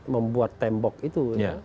membuat tembok itu